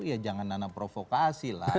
ya jangan nana provokasi lah